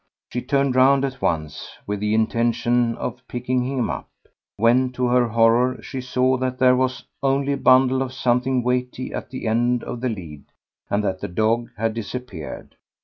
She turned round at once with the intention of picking him up, when to her horror she saw that there was only a bundle of something weighty at the end of the lead, and that the dog had disappeared.